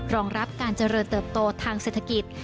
รองรับการเจริญเติบโตทางเศรษฐกิจ